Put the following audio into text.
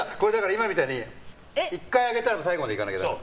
今みたいに１回上げたら最後までいかないと。